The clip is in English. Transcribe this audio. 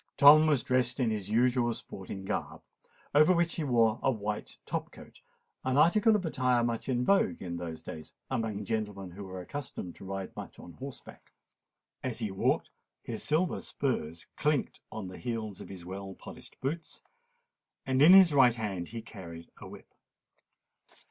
Tom was dressed in his usual sporting garb, over which he wore a white top coat—an article of attire much in vogue in those days amongst gentlemen who were accustomed to ride much on horseback. As he walked, his silver spurs clinked on the heels of his well polished boots; and in his right hand he carried a whip.